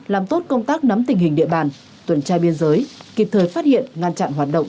làm tốt công tác nắm tình hình địa bàn tuần trai biên giới kịp thời phát hiện ngăn chặn hoạt động